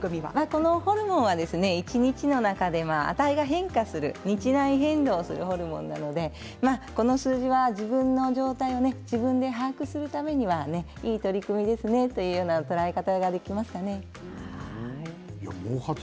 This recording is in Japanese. このホルモンは一日の中で値が変化する日内変動のホルモンなのでこの数字は自分の状態を自分で把握するためにはいい取り組みですねという捉え方ができますね。